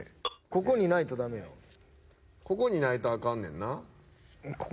ここにないとあかんねんな。